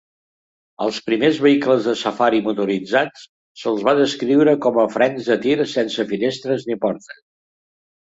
Als primers vehicles de safari motoritzats se'ls va descriure com a frens de tir sense finestres ni portes.